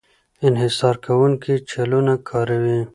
انحصار کوونکی چلونه کاروي.